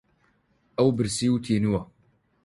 ئەو برسی و تینووە.